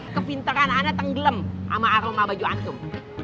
kepintaran anak tenggelam sama aroma baju antum